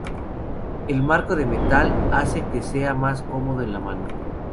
El marco de metal hace que sea más cómodo en la mano.